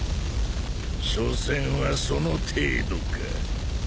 しょせんはその程度か。